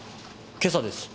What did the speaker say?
今朝です。